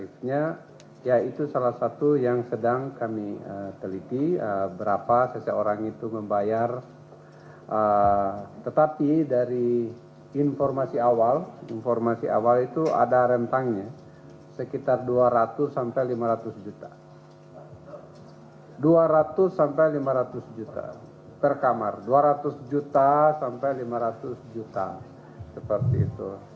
bagaimana penyelesaian pembahasan korupsi di lapas suka miskin